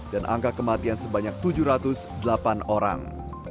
dan angka kematian sebanyak tujuh ratus delapan orang